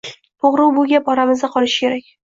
Toʻgʻri, bu gap oramizda qolishi kerak.